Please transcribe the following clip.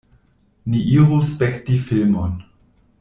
Ni iru spekti filmon.